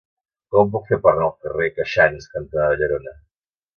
Com ho puc fer per anar al carrer Queixans cantonada Llerona?